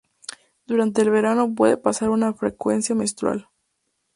Durante el verano puede pasar a una frecuencia mensual.